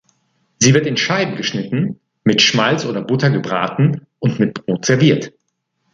Sie wird in Scheiben geschnitten, mit Schmalz oder Butter gebraten und mit Brot serviert.